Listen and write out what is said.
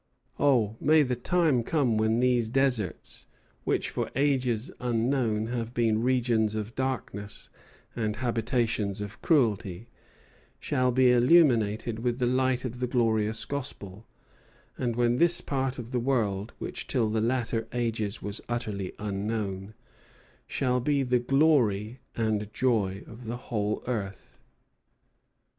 Oh, may the time come when these deserts, which for ages unknown have been regions of darkness and habitations of cruelty, shall be illuminated with the light of the glorious Gospel, and when this part of the world, which till the later ages was utterly unknown, shall be the glory and joy of the whole earth!"